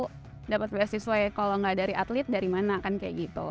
kalau dapat beasiswa ya kalau nggak dari atlet dari mana kan kayak gitu